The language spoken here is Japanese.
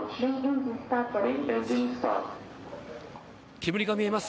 煙が見えます。